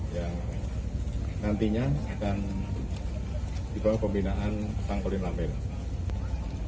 yang nantinya akan dibawa pembinaan tangkulin lambung